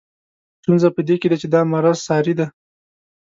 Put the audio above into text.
ستونزه په دې کې ده چې دا مرض ساري دی.